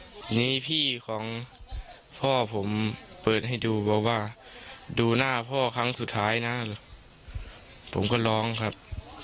ทีนี้พี่ของพ่อผมเปิดให้ดูบอกว่าดูหน้าพ่อครั้งสุดท้ายนะผมก็ร้องครับ